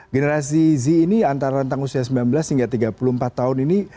generasi z ini antara rentang usia sembilan belas hingga tiga puluh empat tahun ini